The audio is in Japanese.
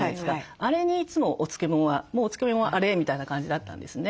あれにいつもお漬物は「もうお漬物はあれ」みたいな感じだったんですね。